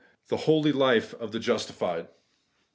THE HOLY LIFE OF THE JUSTIFIED